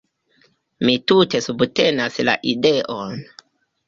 Mi tute subtenas la ideon.